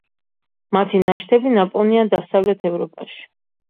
მათი ნაშთები ნაპოვნია დასავლეთ ევროპაში.